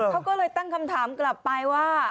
เขาก็เลยตั้งคำถามกลับไปว่า